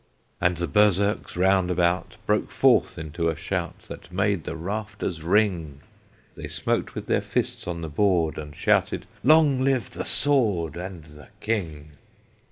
And the Berserks round about Broke forth into a shout That made the rafters ring: They smote with their fists on the board, And shouted, "Long live the Sword, And the King!"